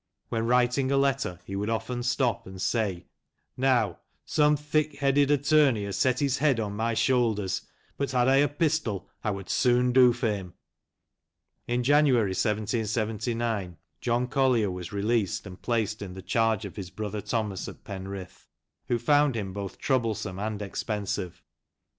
When writing a letter he would often stop and say, " Now, some thick headed attorney has set his head on my .shoulders, but had I a pistol I would soon do for him." In January, 1779, John Collier was released and placed in the charge of his brother THE CHILDREN OF TIM BOBBIN. 123 Thomas at Penrith, who found him both trouble some and expensive.